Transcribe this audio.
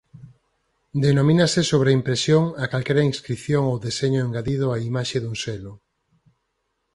Denomínase sobreimpresión a calquera inscrición ou deseño engadido á imaxe dun selo.